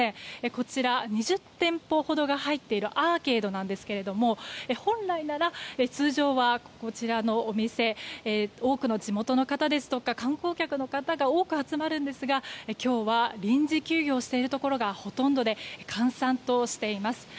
こちら、２０店舗ほどが入っているアーケードなんですが本来なら通常は、こちらのお店多くの地元の方ですとか観光客の方が多く集まるんですが今日は臨時休業しているところがほとんどで閑散としています。